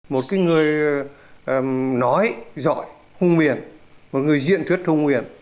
một người nói giỏi hung miền một người diện thuyết hung miền